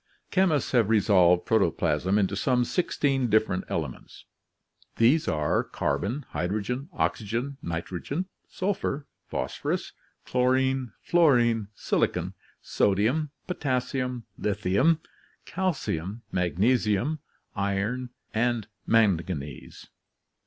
— Chemists have re solved protoplasm into some sixteen different elements; these are carbon, hydrogen, oxygen, nitrogen, sulphur, phosphorus, chlorine, fluorine, silicon, sodium, potassium, lithium, calcium, magnesium, iron, and manganese.